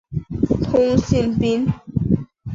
通信兵。